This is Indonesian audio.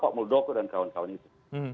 pak muldoko dan kawan kawan itu